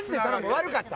悪かった！